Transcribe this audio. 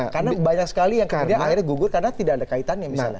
karena banyak sekali yang akhirnya gugur karena tidak ada kaitannya